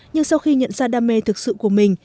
nhưng sau khi nhận ra đam mê thực sự của mình